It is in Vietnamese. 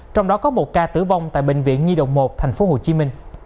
trong đó có một ca tử vong tại bệnh viện nhi đồng một tp hcm